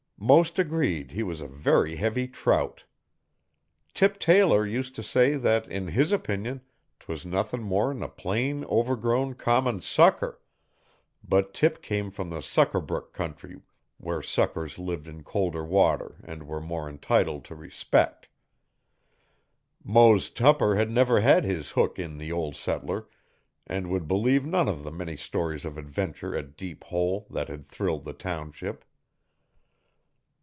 Most agreed he was a very heavy trout. Tip Taylor used to say that in his opinion ''twas nuthin' more'n a plain, overgrown, common sucker,' but Tip came from the Sucker Brook country where suckers lived in colder water and were more entitled to respect. Mose Tupper had never had his hook in the 'ol' settler' and would believe none of the many stories of adventure at Deep Hole that had thrilled the township.